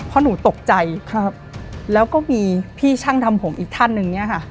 เพราะหนูตกใจครับแล้วก็มีพี่ช่างทำผมอีกท่านหนึ่งเนี่ยค่ะ